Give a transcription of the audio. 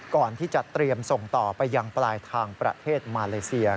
ก่อนที่จะเตรียมส่งต่อไปยังปลายทางประเทศมาเลเซีย